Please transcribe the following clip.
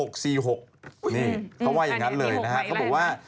เขาว่ายังไงนั้นเลยนะครับเขาบอกว่า